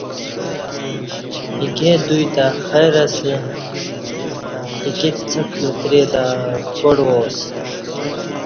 ایکے دوی تہ خیر اسہ ،ایکے څݣ لتری تہ کاٹ وا اسہ